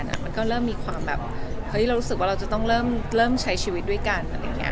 เราเริ่มนึกว่าเรารู้สึกว่าเราจะต้องเริ่มใช้ชีวิตด้วยกัน